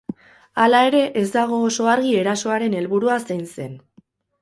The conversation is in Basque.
Hala ere, ez dago oso argi erasoaren helburua zein zen.